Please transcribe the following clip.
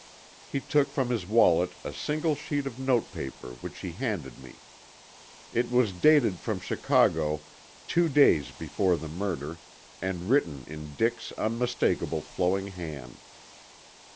He took from his wallet a single sheet of notepaper which he handed me. It was dated from Chicago two days before the murder and written in Dick's unmistakable flowing hand.